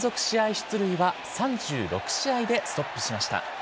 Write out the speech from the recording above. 出塁は３６試合でストップしました。